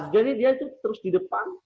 jadi dia tuh terus di depan